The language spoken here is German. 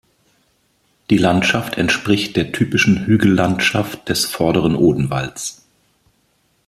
Die Landschaft entspricht der typischen Hügellandschaft des Vorderen Odenwalds.